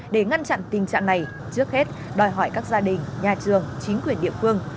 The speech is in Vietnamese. để ngăn chặn tình trạng này trước hết đòi hỏi các gia đình nhà trường chính quyền địa phương